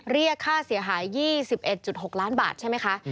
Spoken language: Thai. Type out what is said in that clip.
เรียกค่าเสียหาย๒๑๖ล้านบาทใช่ไหมคะ